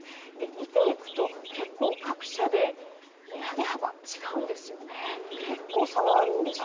見ていくと、結構各社で値上げ幅、違うんですよね。